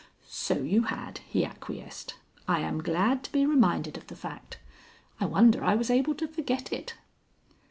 "So you had," he acquiesced. "I am glad to be reminded of the fact. I wonder I was able to forget it."